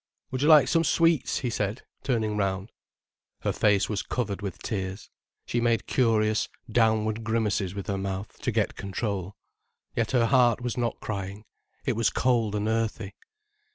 "Would you like some sweets?" he said, turning round. Her face was covered with tears, she made curious, downward grimaces with her mouth, to get control. Yet her heart was not crying—it was cold and earthy.